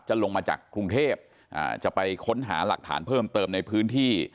ลงมาจากกรุงเทพจะไปค้นหาหลักฐานเพิ่มเติมในพื้นที่